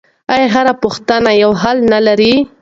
آیا هره پوښتنه یو حل نه لري؟